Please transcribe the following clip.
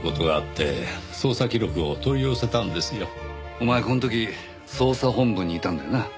お前この時捜査本部にいたんだよな？